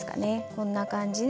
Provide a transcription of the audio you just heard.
こんな感じで。